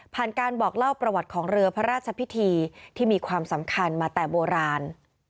การบอกเล่าประวัติของเรือพระราชพิธีที่มีความสำคัญมาแต่โบราณ